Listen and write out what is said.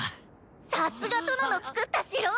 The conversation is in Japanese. さっすが殿のつくった城！